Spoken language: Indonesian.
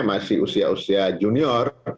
masih usia usia junior